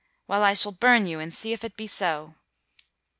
'Well, I shall burn you and see if it be so.'